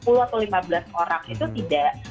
punya teman sepuluh atau lima belas orang itu tidak